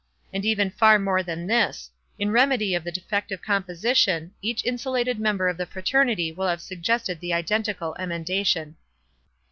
And even far more than this; in remedy of the defective composition, each insulated member of the fraternity would have suggested the identical emendation.